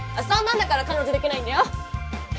そんなんだから彼女できないんだよ。